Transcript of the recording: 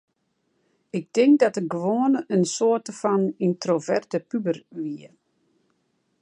Ik tink dat ik gewoan in soarte fan yntroverte puber wie.